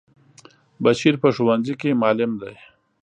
بشیر په ښونځی کی معلم دی.